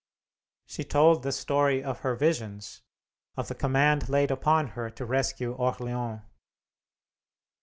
She told the story of her visions, of the command laid upon her to rescue Orleans.